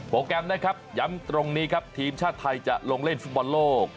แกรมนะครับย้ำตรงนี้ครับทีมชาติไทยจะลงเล่นฟุตบอลโลก